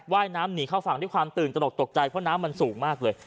ว่ายน้ำหนีเข้าฝั่งด้วยความตื่นตระหนกตกใจเพราะน้ำมันสูงมากเลย